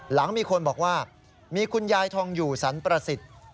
หลังมีคนบอกว่ามีคุณยายทองอยู่สันประสิทธิ์